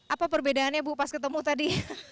apa perbedaannya bu pas ketemu tadi